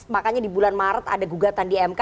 makanya di bulan maret ada gugatan di mk